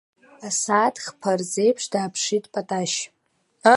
Асааҭ хԥа рзеиԥш дааԥшит Паташь.